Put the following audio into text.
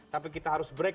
tapi kita harus break